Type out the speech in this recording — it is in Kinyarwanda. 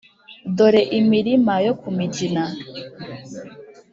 dore imirima yo ku mugina.